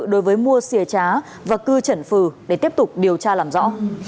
đối với mua xìa trá và cư trần phừ để tiếp tục điều tra làm rõ